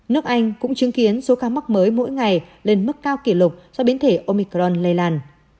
nước anh cũng chứng kiến số ca mắc mới mỗi ngày lên mức cao kỷ lục do biến thể omicron lây lan